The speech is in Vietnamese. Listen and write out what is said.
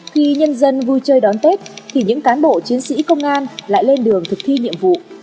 khi nhân dân vui chơi đón tết thì những cán bộ chiến sĩ công an lại lên đường thực thi nhiệm vụ